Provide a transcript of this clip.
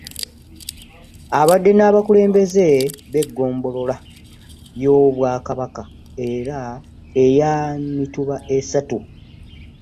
Abadde n'abakulembeze b'eggombolola y'Obwakabaka eya Mituba esatu